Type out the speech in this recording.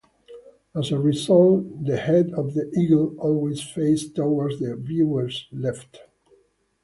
As a result, the head of the eagle always faces towards the viewer's left.